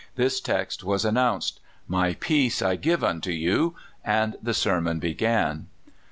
This text was an nounced, " My peace I give unto you; " and the sermon began.